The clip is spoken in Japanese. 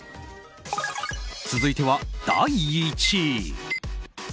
続いては第１位。